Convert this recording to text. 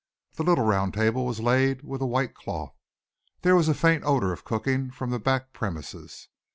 The little round table was laid with a white cloth. There was a faint odour of cooking from the back premises.